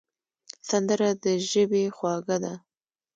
سندره د ژبې خواږه ده